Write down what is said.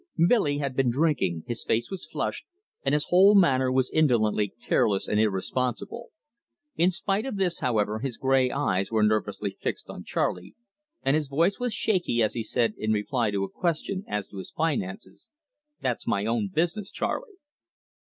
Billy had been drinking, his face was flushed, and his whole manner was indolently careless and irresponsible. In spite of this, however, his grey eyes were nervously fixed on Charley, and his voice was shaky as he said, in reply to a question as to his finances: "That's my own business, Charley."